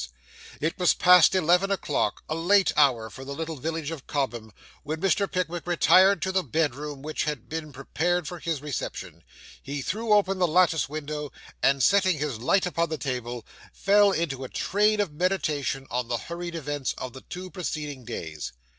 It was past eleven o'clock a late hour for the little village of Cobham when Mr. Pickwick retired to the bedroom which had been prepared for his reception. He threw open the lattice window, and setting his light upon the table, fell into a train of meditation on the hurried events of the two preceding days.